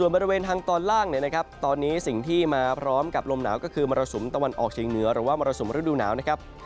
บริเวณทางตอนล่างเนี่ยนะครับตอนนี้สิ่งที่มาพร้อมกับลมหนาวก็คือมรสุมตะวันออกเฉียงเหนือหรือว่ามรสุมฤดูหนาวนะครับ